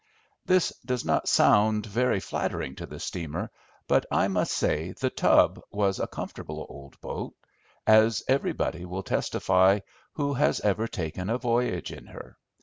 This does not sound very flattering to the steamer, but I must say The Tub was a comfortable old boat, as everybody will testify who has ever taken a voyage in her.